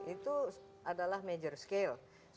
itu adalah major scale